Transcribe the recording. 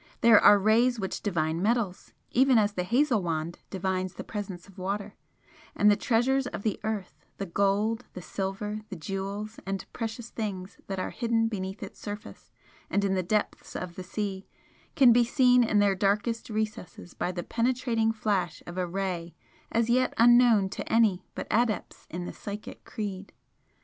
There are rays which divine metals, even as the hazel wand divines the presence of water, and the treasures of the earth, the gold, the silver, the jewels and precious things that are hidden beneath its surface and in the depth of the sea can be seen in their darkest recesses by the penetrating flash of a Ray as yet unknown to any but adepts in the Psychic Creed.